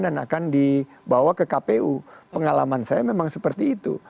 dan akan dibawa ke kpu pengalaman saya memang seperti itu